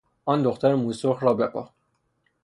آن دختر موسرخ را بپا!